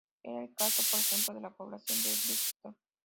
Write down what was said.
Era el caso, por ejemplo, de la población de Brighton.